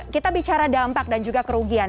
kita bicara dampak dan juga kerugian